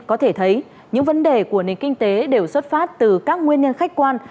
có thể thấy những vấn đề của nền kinh tế đều xuất phát từ các nguyên nhân khách quan